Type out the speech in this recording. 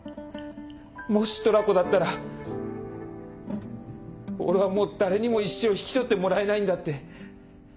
もしトラコだったら俺はもう誰にも一生引き取ってもらえないんだって。